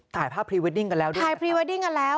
ถ่ายภาพพรีเวดดิ้งกันแล้ว